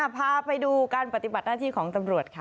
พาไปดูการปฏิบัติหน้าที่ของตำรวจค่ะ